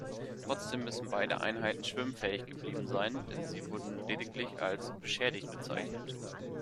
Trotzdem müssen beide Einheiten schwimmfähig geblieben sein, denn sie wurden lediglich als "beschädigt" bezeichnet.